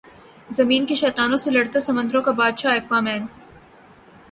زمین کے شیطانوں سے لڑتا سمندروں کا بادشاہ ایکوامین